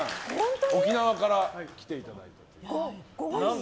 沖縄から来ていただいて。